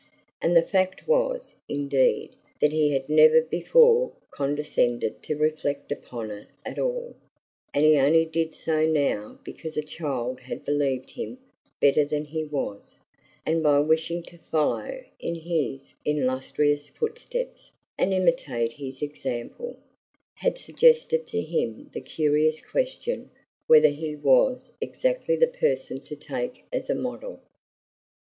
And the fact was, indeed, that he had never before condescended to reflect upon it at all; and he only did so now because a child had believed him better than he was, and by wishing to follow in his illustrious footsteps and imitate his example, had suggested to him the curious question whether he was exactly the person to take as a model.